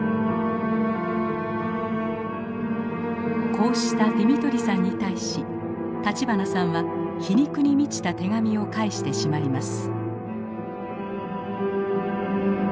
こうしたディミトリさんに対し立花さんは皮肉に満ちた手紙を返してしまいます。